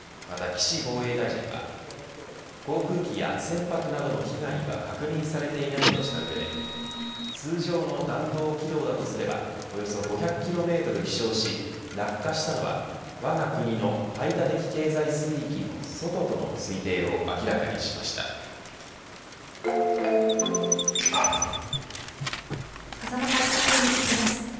また岸防衛大臣は航空機や船舶などの被害は確認されていないとした上で通常の弾道軌道だとすればおよそ５００キロメートル飛翔し落下したのはわが国の排他的経済水域の外との風間解説委員に聞きます。